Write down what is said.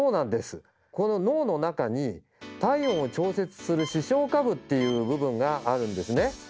この脳の中に体温を調節する「視床下部」っていう部分があるんですね。